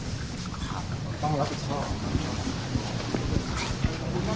ต้องรับผิดชอบ